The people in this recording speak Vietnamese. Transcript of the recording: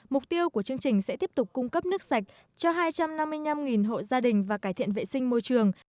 mục tiêu của chương trình sẽ tiếp tục cung cấp nước sạch cho hai trăm năm mươi năm hộ gia đình và cải thiện vệ sinh môi trường